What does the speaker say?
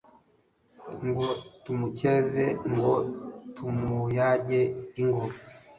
ingo tumukeze, ingo tumuyage, ingo